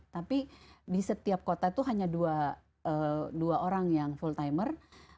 tapi di setiap kota itu hanya dua orang yang full timer